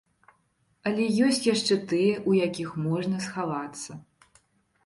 Але ёсць яшчэ тыя, у якіх можна схавацца.